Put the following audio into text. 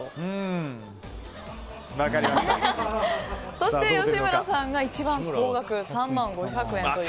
そして吉村さんが一番高額３万５００円という。